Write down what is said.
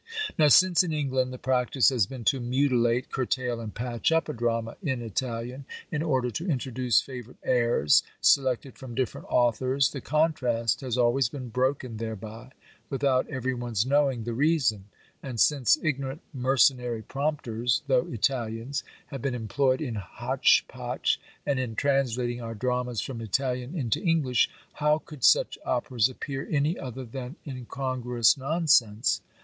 "Now, since in England, the practice has been to mutilate, curtail, and patch up a drama in Italian, in order to introduce favourite airs, selected from different authors, the contrast has always been broken thereby, without every one's knowing the reason: and since ignorant mercenary prompters, though Italians, have been employed in hotch potch, and in translating our dramas from Italian into English, how could such operas appear any other than incongruous nonsense?"